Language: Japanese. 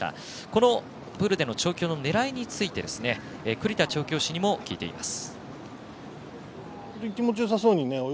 このプールでの調教の狙いについて栗田調教師にも聞いています。